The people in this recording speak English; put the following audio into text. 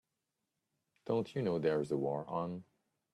Don't you know there's a war on?